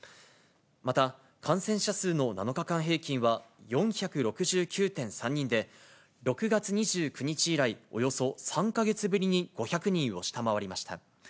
また、感染者数の７日間平均は４６９．３人で、６月２９日以来、およそ３か月ぶりに５００人を下回りました。